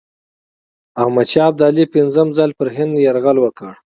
احمدشاه ابدالي پنځم ځل پر هند یرغل وکړ.